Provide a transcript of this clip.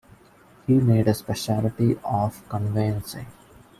He made a specialty of conveyancing.